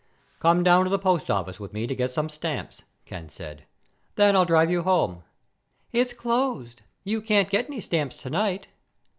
"Come down to the post office with me to get some stamps," Ken said. "Then I'll drive you home." "It's closed. You can't get any stamps tonight."